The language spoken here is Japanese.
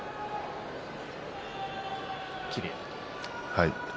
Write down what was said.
はい。